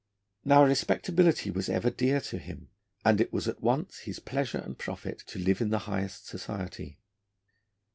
Now, respectability was ever dear to him, and it was at once his pleasure and profit to live in the highest society.